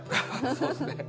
そうですね。